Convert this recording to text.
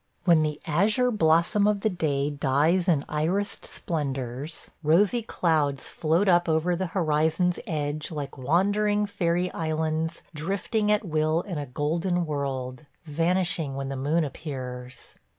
When the azure blossom of the day dies in irised splendors, rosy clouds float up over the horizon's edge like wandering fairy islands drifting at will in a golden world – vanishing when the moon appears.